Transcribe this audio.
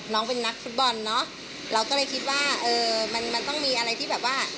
น้องเป็นนักฟุตบอลเนอะเราก็เลยคิดว่าเออมันมันต้องมีอะไรที่แบบว่า